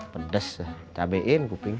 pedes cabain kuping